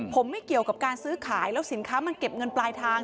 ผมไม่เกี่ยวกับการซื้อขายแล้วสินค้ามันเก็บเงินปลายทาง